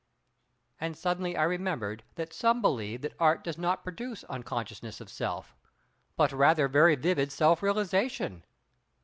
And suddenly I remembered that some believe that Art does not produce unconsciousness of self, but rather very vivid self realisation.